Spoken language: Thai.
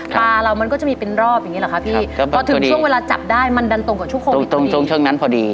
ปลาเรามันก็จะมีเป็นรอบอย่างเงี้ยหรอคะพี่พอถึงช่วงเวลาจับได้มันดันตรงกับช่วงโควิด